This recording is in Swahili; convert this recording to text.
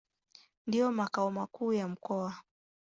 Ndio makao makuu ya mkoa.